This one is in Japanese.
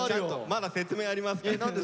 まだ説明ありますから。